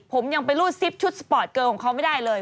ผมยังไปรูดซิปชุดสปอร์ตเกอร์ของเขาไม่ได้เลย